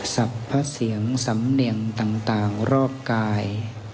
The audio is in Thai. สรรพเสียงสำเนียงต่างรอบกาย